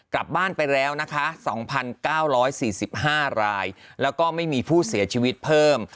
กลับบ้านไปแล้วนะคะ๒๙๔๕รายแล้วก็ไม่มีผู้เสียชีวิตเพิ่ม